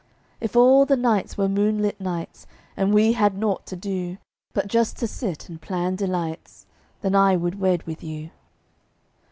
If all the nights were moonlit nights, And we had naught to do But just to sit and plan delights, Then I would wed with you.